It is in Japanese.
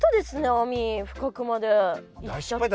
網深くまで行っちゃって。